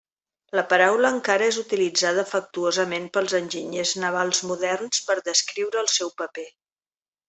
La paraula encara és utilitzat afectuosament pels enginyers navals moderns per descriure el seu paper.